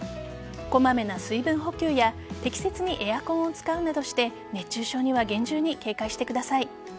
こまめな水分補給や適切にエアコンを使うなどして熱中症には厳重に警戒してください。